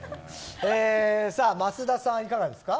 増田さん、いかがですか。